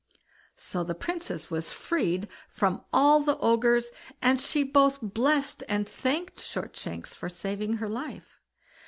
So the Princess was freed from all the Ogres, and she both blessed and thanked Shortshanks for saving her life.